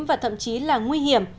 và thậm chí là nguy hiểm